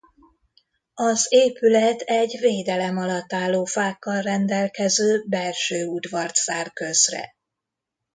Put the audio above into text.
Az épület egy védelem alatt álló fákkal rendelkező belső udvart zár közre.